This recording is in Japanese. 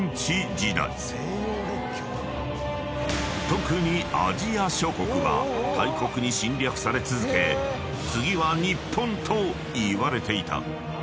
［特にアジア諸国は大国に侵略され続け次は日本といわれていた］